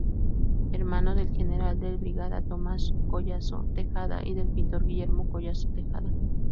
Hermano del general de brigada Tomás Collazo Tejada y del pintor Guillermo Collazo Tejada.